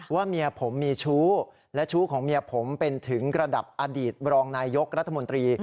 เมียผมมีชู้และชู้ของเมียผมเป็นถึงระดับอดีตรองนายยกรัฐมนตรี